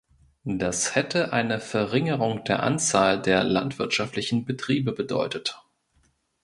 Das hätte eine Verringerung der Anzahl der landwirtschaftlichen Betriebe bedeutet.